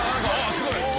すごい！